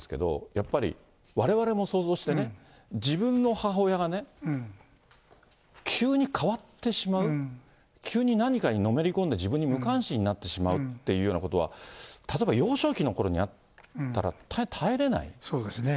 やっぱり、われわれも想像してね、自分の母親がね、急に変わってしまう、急に何かにのめり込んで、自分に無関心になってしまうっていうようなことは、例えば幼少期のころにあそうですね。